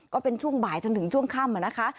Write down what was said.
ก็เป็นช่วงบ่ายจนถึงช่วงค่ำนะคะ